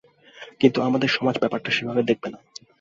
কিন্তু আমাদের সমাজ ব্যাপারটা সেভাবে দেখবে না।